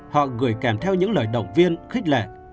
họ gửi kèm theo những lời động viên khích lệ